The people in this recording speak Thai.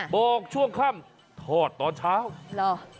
บอกช่วงค่ำทอดตอนเช้าเหรอ